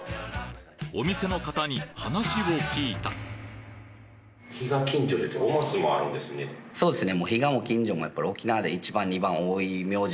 お店の方に話を聞いたそうですね。